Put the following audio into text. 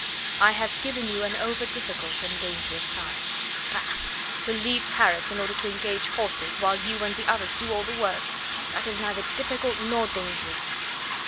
"I have given you an over difficult and dangerous task." "Bah! To leave Paris in order to engage horses, while you and the others do all the work. That is neither difficult nor dangerous."